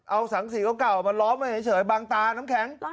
เอาสังสีเก่ามาล้อมไว้เฉยบางตาน้ำแข็ง